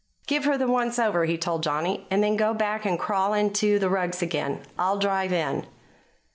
"Give her the 'once over,'" he told Johnny, "and then go back and crawl into the rugs again. I'll drive in."